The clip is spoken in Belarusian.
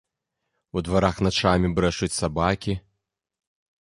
У дварах начамі брэшуць сабакі.